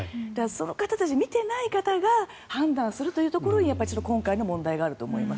その方たち、見ていない方が判断するというところに今回の問題があると思います。